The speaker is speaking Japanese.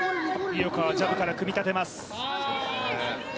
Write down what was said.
井岡はジャブから組み立てます。